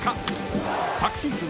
［昨シーズン